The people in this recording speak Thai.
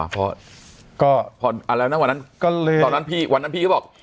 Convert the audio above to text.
เพราะก็พออะไรนะวันนั้นก็เลยตอนนั้นพี่วันนั้นพี่ก็บอก